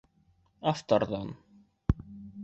Авторҙан